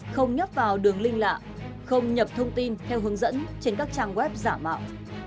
không nhấp vào đường link lạ không nhập thông tin theo hướng dẫn trên các trang web giả mạo